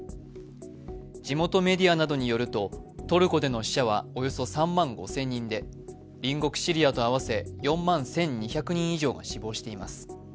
地元メディアなどによるとトルコでの死者はおよそ３万５０００人で隣国シリアと合わせ４万１２００人以上が死亡しています。